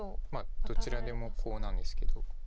どちらでもコウなんですけど。